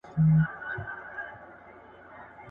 بنده اريان، خداى مهربان.